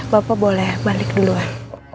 bapak boleh balik duluan